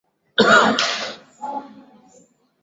urahisi kutoka kambini kwetu ingawa kukata eneo